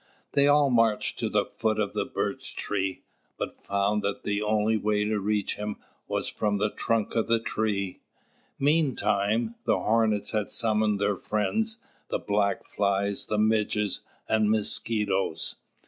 They all marched to the foot of the birch tree, but found that the only way to reach him was from the trunk of the tree. Meantime the Hornets had summoned their friends, the Black Flies, the Midges, and Mosquitoes.